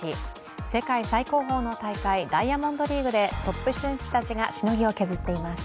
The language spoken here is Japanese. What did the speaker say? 世界最高峰の大会ダイヤモンドリーグでトップ選手たちがしのぎを削っています。